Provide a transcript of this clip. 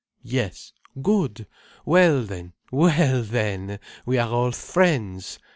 "Yes. Good! Well then! Well then! We are all friends.